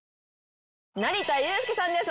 成田悠輔さんです